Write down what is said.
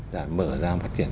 rồi mở ra phát triển